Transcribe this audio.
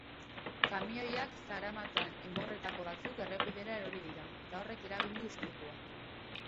Kamioiak zeramatzan enborretako batzuk errepidera erori dira, eta horrek eragin du istripua.